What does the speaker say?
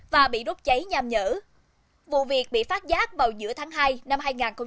vụ phá rừng bị phát giác vào giữa tháng hai năm hai nghìn hai mươi